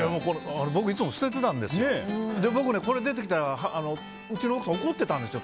僕いつも捨てていましたがこれが出てきたらうちの奥さん怒ってたんですよ。